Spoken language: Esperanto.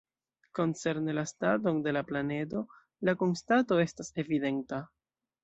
Koncerne la staton de la planedo, la konstato estas evidenta.